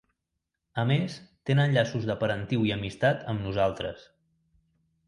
A més, tenen llaços de parentiu i amistat amb nosaltres.